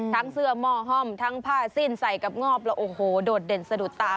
เสื้อหม้อห้อมทั้งผ้าสิ้นใส่กับงอบแล้วโอ้โหโดดเด่นสะดุดตา